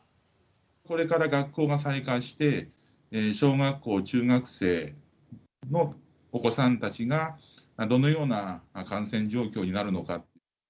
これから学校が再開して、小学校、中学生のお子さんたちが、どのような感染状況になるのか。